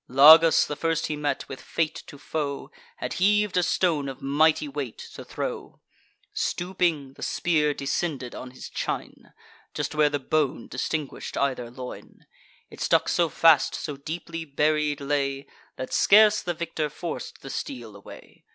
Lagus, the first he met, with fate to foe, Had heav'd a stone of mighty weight, to throw: Stooping, the spear descended on his chine, Just where the bone distinguished either loin: It stuck so fast, so deeply buried lay, That scarce the victor forc'd the steel away.